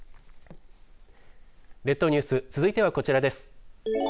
列島ニュース続いてはこちらです。